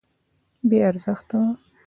بې ارزښته وه.